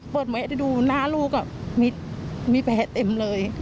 เปิดเมล็ดดูหน้าลูกมีแพ้เต็มเลย